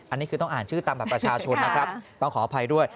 อันนี้คือต้องอ่านชื่อตามบัตรประชาชนนะครับต้องขออภัยด้วย